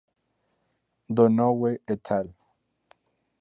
Donohue "et al.